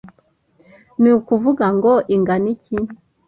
ni ukuvuga ngo ingana iki